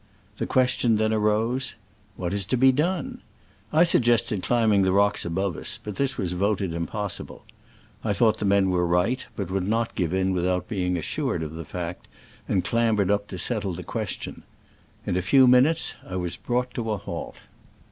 The question then arose, What is to be done ?" I suggested climbing the rocks above us, but this was voted impossible. I thought the men were right, but would not give in without being assured of the fact, and clambered up to settle the ques tion. In a few minutes I was brought to a halt.